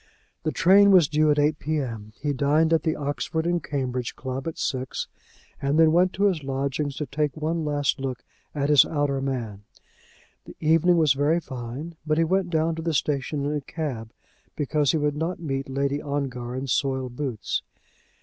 The train was due at 8 P.M. He dined at the Oxford and Cambridge Club at six, and then went to his lodgings to take one last look at his outer man. The evening was very fine, but he went down to the station in a cab, because he would not meet Lady Ongar in soiled boots.